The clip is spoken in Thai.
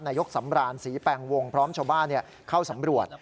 ยกสำรานศรีแปลงวงพร้อมชาวบ้านเข้าสำรวจ